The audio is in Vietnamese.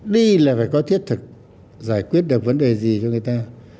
đi là phải có thiết thực giải quyết được vấn đề gì cho người ta